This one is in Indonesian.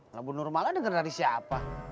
dari bu nurmala denger dari siapa